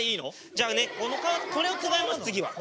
じゃあねこれを使います次は。